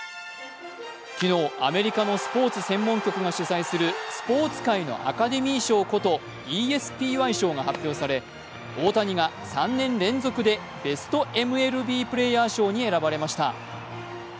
昨日、アメリカのスポーツ専門局が主催するスポーツ界のアカデミー賞ことＥＳＰＹ賞が発表され大谷が３年連続でベストＭＬＢプレーヤー賞に選ばれました。